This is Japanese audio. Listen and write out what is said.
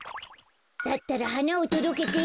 だったらはなをとどけて。